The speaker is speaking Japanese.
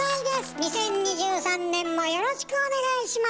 ２０２３年もよろしくお願いします。